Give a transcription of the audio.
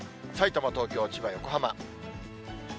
さいたま、東京、千葉、横浜。